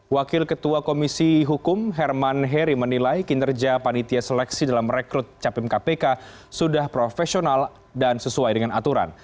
wakil ketua komisi hukum herman heri menilai kinerja panitia seleksi dalam merekrut capim kpk sudah profesional dan sesuai dengan aturan